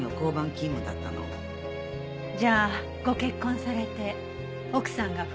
じゃあご結婚されて奥さんが府